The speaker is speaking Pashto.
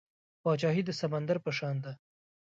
پاچاهي د سمندر په شان ده .